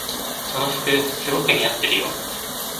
その服すごく似合ってるよ。